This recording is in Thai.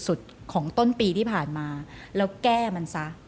ในช่วงปีที่ผ่านมาแล้วแก้มันซะ